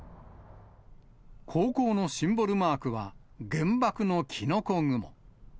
高校のシンボルマークは、原爆のきのこ雲。